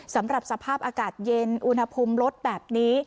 สำหรับสภาพอากาศเย็นอุณหภูมิลดแบบนี้